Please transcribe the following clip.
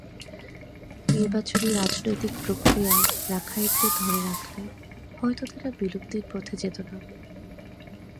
নির্বাচনী রাজনৈতিক প্রক্রিয়ায় রাখাইনদের ধরে রাখলে হয়তো তারা বিলুপ্তির পথে যেত না।